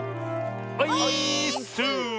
オイーッス！